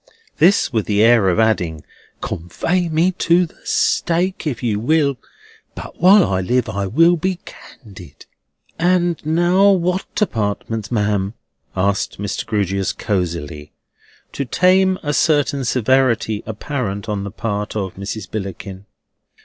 This with the air of adding: "Convey me to the stake, if you will; but while I live, I will be candid." "And now, what apartments, ma'am?" asked Mr. Grewgious, cosily. To tame a certain severity apparent on the part of Mrs. Billickin.